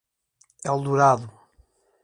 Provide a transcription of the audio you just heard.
Eldorado